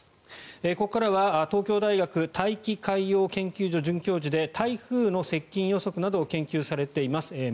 ここからは東京大学大気海洋研究所准教授で台風の接近予測などを研究されています